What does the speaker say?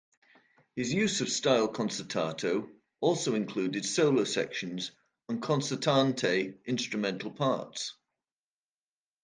His use of "stile concertato" also included solo sections and concertante instrumental parts.